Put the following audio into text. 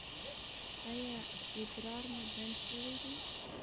ایا ادرار مو بند شوی دی؟